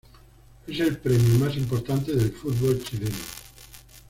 Es el premio más importante del fútbol chileno.